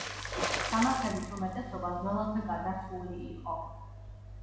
სამარხების უმეტესობა ძველადვე გაძარცვული იყო.